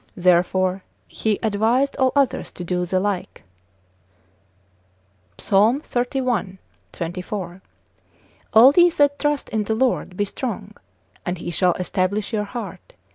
Therefore he adviseth all others to do the like, Psal. xxxi. 24. All ye that trust in the Lord, be strong, and he shall establish your heart.